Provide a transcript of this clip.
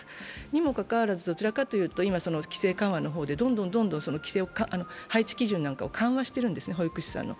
にもかかわらず、どちらかというと今、規制緩和の方でどんどんどんどん配置基準なんかを緩和しているんですね、保育士さんの。